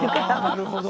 「なるほど！」